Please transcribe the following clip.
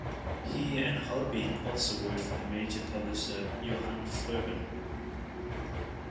He and Holbein also worked for the major publisher Johann Froben.